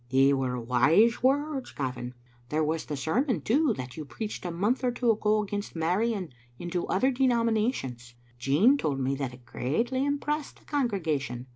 "They were wise words, Gavin. There was the ser mon, too, that you preached a month or two ago against marrying into other denominations. Jean told me that it greatly impressed the congregation.